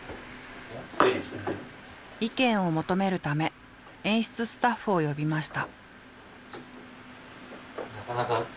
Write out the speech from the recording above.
意見を求めるため演出スタッフを呼びました。